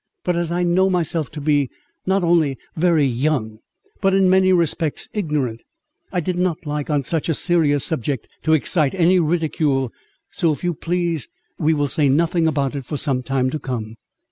But as I know myself to be not only very young, but in many respects ignorant, I did not like, on such a serious subject, to excite any ridicule so if you please we will say nothing about it for some time to come."